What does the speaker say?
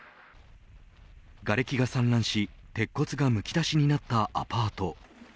がれきが散乱し鉄骨がむき出しになったアパート。